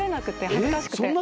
恥ずかしくて。